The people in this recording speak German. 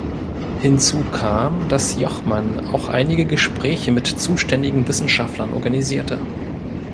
Hinzu kam, dass Jochmann auch einige Gespräche mit zuständigen Wissenschaftlern organisierte.